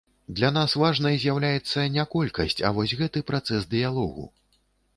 Для нас важнай з'яўляецца не колькасць, а вось гэты працэс дыялогу.